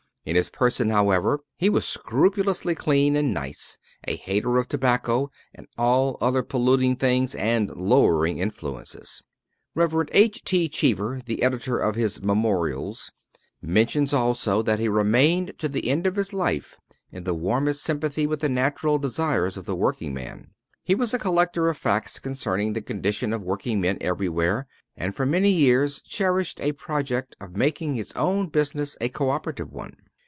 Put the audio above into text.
In his person, however, he was scrupulously clean and nice, a hater of tobacco and all other polluting things and lowering influences. Rev. H. T. Cheever, the editor of his "Memorials," mentions also that he remained to the end of his life in the warmest sympathy with the natural desires of the workingman. He was a collector of facts concerning the condition of workingmen everywhere, and for many years cherished a project of making his own business a coöperative one.